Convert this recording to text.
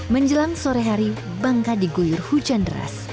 menjelang sore hari bangka diguyur hujan deras